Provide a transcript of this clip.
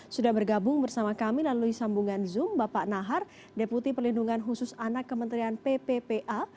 sudah bergabung bersama kami lalu sambungan zoom bapak nahar deputi pelindungan khusus anak kementerian pppa